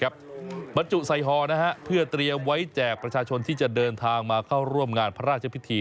บรรจุใส่ฮอลเพื่อเตรียมไว้แจกประชาชนที่จะเดินทางมาเข้าร่วมงานพระราชพิธี